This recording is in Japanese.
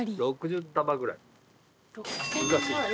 難しいか。